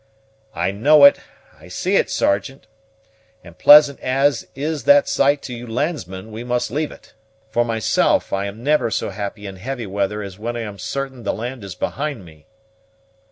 "I know it, I see it, Sergeant; and pleasant as is that sight to you landsmen, we must leave it. For myself, I am never so happy in heavy weather as when I am certain that the land is behind me."